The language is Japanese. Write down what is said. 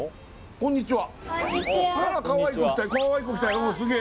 こんにちは